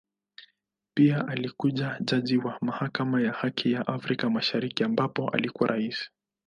Pia alikua jaji wa Mahakama ya Haki ya Afrika Mashariki ambapo alikuwa Rais.